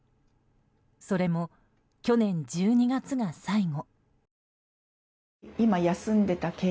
それも去年１２月が最後。